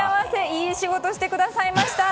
いい仕事、してくださいました！